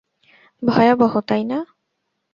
ভয়াবহ, তাই না?